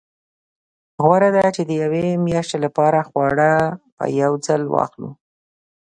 غوره ده چې د یوې میاشتې لپاره خواړه په یو ځل واخلو.